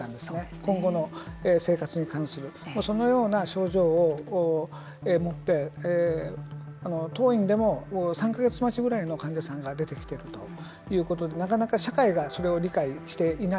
今後の生活に関するそのような症状をもって当院でも３か月待ちぐらいの患者さんが出てきているということでなかなか社会がそれを理解していない。